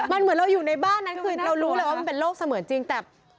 มันเหมือนเราอยู่ในบ้านนั้นคือเรารู้เลยว่ามันเป็นโรคเสมือนจริงแต่